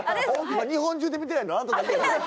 日本中で見てないのあなただけ。